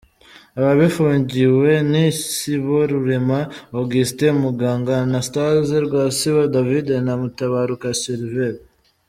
Ababifungiwe ni Siborurema Augustin, Muganga Anastase , Rwasibo David na Mutabaruka Sylvere.